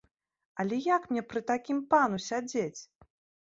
Але як мне пры такім пану сядзець?